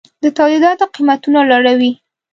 د تولیداتو قیمتونه لوړوي.